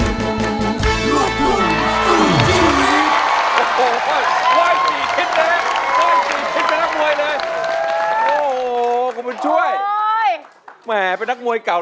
โอ้โหไหว้กินคิดเลยไหว้กินคิดเป็นนักมวยเลย